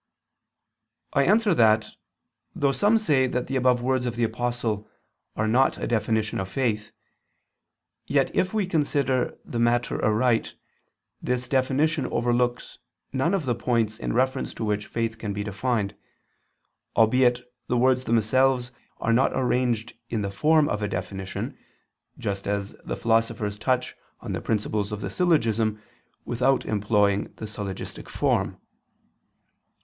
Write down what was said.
I answer that, Though some say that the above words of the Apostle are not a definition of faith, yet if we consider the matter aright, this definition overlooks none of the points in reference to which faith can be defined, albeit the words themselves are not arranged in the form of a definition, just as the philosophers touch on the principles of the syllogism, without employing the syllogistic form.